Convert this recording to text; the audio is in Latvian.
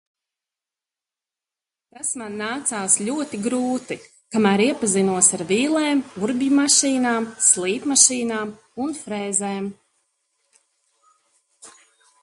Tas man nācās ļoti grūti, kamēr iepazinos ar vīlēm, urbjmašīnām, slīpmašīnām un frēzēm.